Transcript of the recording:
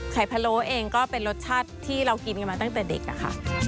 พะโล้เองก็เป็นรสชาติที่เรากินกันมาตั้งแต่เด็กอะค่ะ